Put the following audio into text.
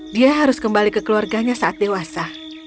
dia harus kembali ke keluarganya saat dewasa